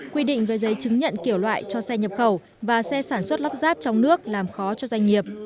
quy định gây giấy chứng nhận kiểu loại cho xe nhập khẩu và xe sản xuất lắp ráp trong nước làm khó cho doanh nghiệp